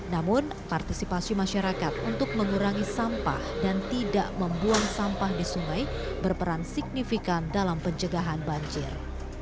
namun partisipasi masyarakat untuk mengurangi sampah dan tidak membuang sampah di sungai berperan signifikan dalam pencegahan banjir